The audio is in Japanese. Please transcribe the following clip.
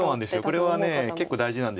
これは結構大事なんです。